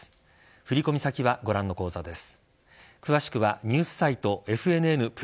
振り込み先はご覧の口座です。